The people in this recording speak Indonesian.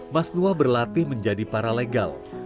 mas nuah berlatih menjadi paralegal